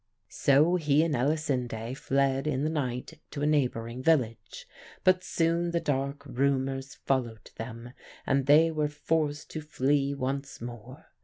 "So he and Elisinde fled in the night to a neighbouring village. But soon the dark rumours followed them, and they were forced to flee once more.